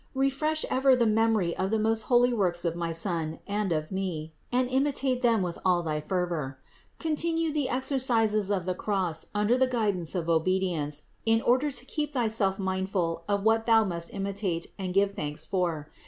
Refresh ever the memory of the most holy works of my Son and of me, and imitate them with all thy fervor. Continue the exercises of the cross under the guidance of obedience, in order to keep thy self mindful of what thou must imitate and give thanks for.